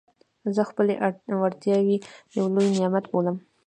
زه خپلي وړتیاوي یو لوی نعمت بولم.